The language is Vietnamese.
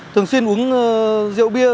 thường xuyên uống rượu bia